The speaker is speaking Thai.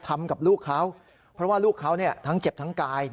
ทำกับลูกเขาเพราะว่าลูกเขาทั้งเจ็บทั้งกาย